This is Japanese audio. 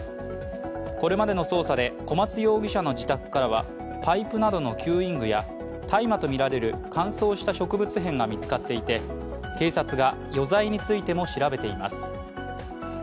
これまでの捜査で小松容疑者の自宅からはパイプなどの吸引具や大麻とみられる乾燥した植物片が見つかっていて、警察が余罪についても調べています。